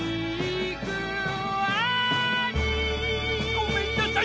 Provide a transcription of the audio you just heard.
ごめんなさい